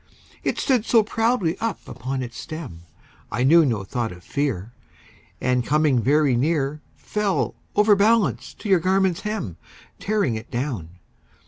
It stood so proudly up upon its stem, I knew no thought of fear, And coming very near Fell, overbalanced, to your garment's hem, Tearing it down.